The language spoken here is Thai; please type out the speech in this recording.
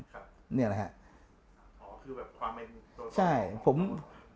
คือแบบความแม่นตัวต่อมา